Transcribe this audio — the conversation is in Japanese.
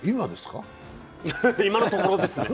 今のところですね。